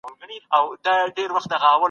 احمد کتاب واخیستی او په ډېر عزت یې وساتی.